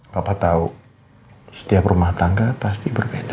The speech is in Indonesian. bapak tahu setiap rumah tangga pasti berbeda